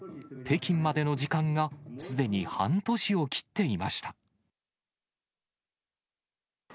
北京までの時間が、すでに半年を切っていました。